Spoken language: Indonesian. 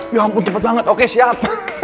ya ampun cepat banget oke siap